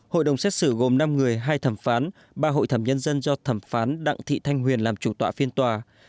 hội đồng xét xử gồm năm người hai thẩm phán ba hội thẩm nhân dân do thẩm phán đặng thị thanh huyền làm chủ tọa phiên tòa